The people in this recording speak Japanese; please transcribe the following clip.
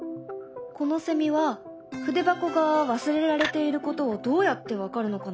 このセミは筆箱が忘れられていることをどうやって分かるのかな？